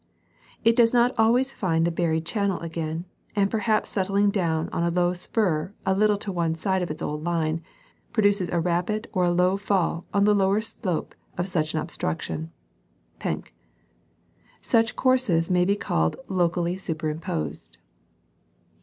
It does not always find the buried channel again, and perhaps settling down on a low spur a little to one side of its old line, produces a rapid or a low fall on the lower slope of such an obstruction (Penck), Such courses may be called locally superimposed.